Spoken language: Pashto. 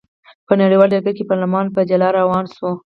په نړیوال ډګر کې پارلمان په جلا لار روان شو.